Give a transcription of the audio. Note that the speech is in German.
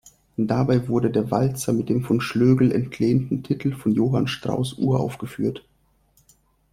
Dabei wurde der Walzer mit dem von Schlögl entlehnten Titel von Johann Strauss uraufgeführt.